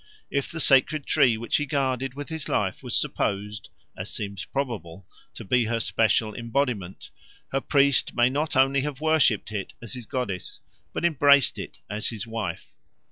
If the sacred tree which he guarded with his life was supposed, as seems probable, to be her special embodiment, her priest may not only have worshipped it as his goddess but embraced it as his wife.